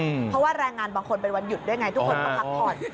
เพราะว่าแรงงานบางคนเป็นวันหยุดด้วยไงทุกคนต้องพักผ่อน